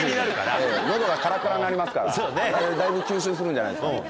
喉がカラカラになりますからだいぶ吸収するんじゃないですかね。